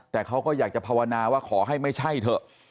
แต่เขาก็อยากจะภาวนาว่าขอให้ไม่ใช่เถอะ